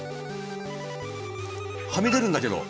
はみ出るんだけど。